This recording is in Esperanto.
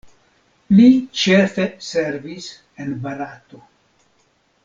Li ĉefe servis en Barato.